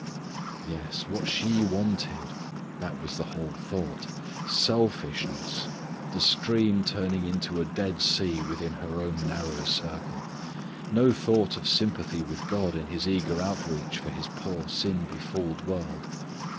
Yes, what she wanted that was the whole thought selfishness; the stream turning in to a dead sea within her own narrow circle; no thought of sympathy with God in His eager outreach for His poor sin befooled world.